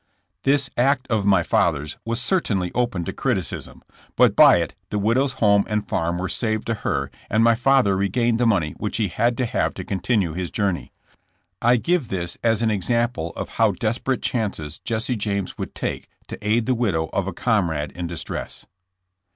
This act of my father's was certainly open to criticism, but by it the widow's home and farm were saved to her and my father re gained the money which he had to have to continue his journey. I give this as an example of how des perate chances Jesse James would take to aid the widow of a comrade in distress.